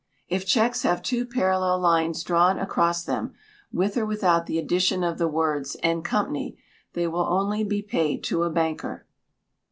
If cheques have two parallel lines drawn across them, with or without the addition of the words "& Co.," they will only be paid to a banker.